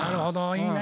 いいね。